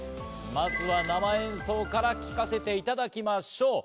まずは生演奏から聴かせていただきましょう。